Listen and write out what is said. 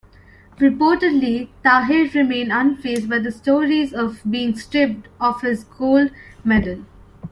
Reportedly, Taher "remained unfazed by the stories of being stripped of his gold medal".